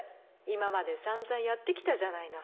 今まで散々やって来たじゃないの。